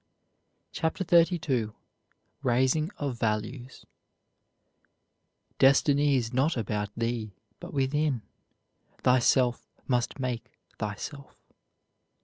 CHAPTER XXXII RAISING OF VALUES "Destiny is not about thee, but within, Thyself must make thyself."